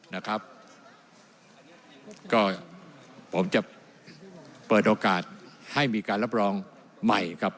นะครับก็ผมจะเปิดโอกาสให้มีการรับรองใหม่ครับ